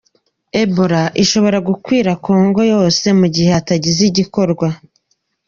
Ebola ishobora gukwira kongo yose mu gihe hatagize igikorwa